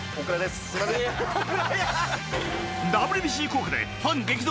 ＷＢＣ効果でファン激増。